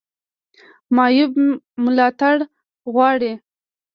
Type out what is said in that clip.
معیوب ملاتړ غواړي